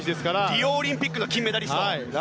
リオオリンピックの金メダリストです。